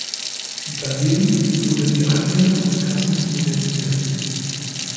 Daneben wurden die Eingänge und Kassen modernisiert.